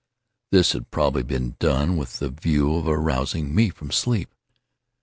This had probably been done with the view of arousing me from sleep.